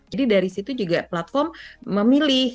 jadi dari situ juga platform memilih